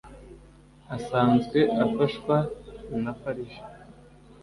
asanzwe afashwa na farg